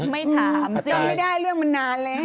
ไม่ถามจำไม่ได้เรื่องมันนานแล้ว